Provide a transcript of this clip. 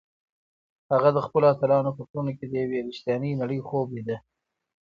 هغه د خپلو اتلانو په کړنو کې د یوې رښتیانۍ نړۍ خوب لیده.